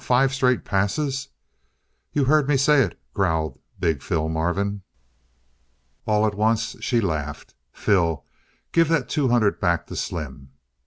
"Five straight passes!" "You heard me say it," growled big Phil Marvin. All at once she laughed. "Phil, give that two hundred back to Slim!"